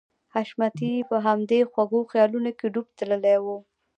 حشمتي په همدې خوږو خيالونو کې ډوب تللی و.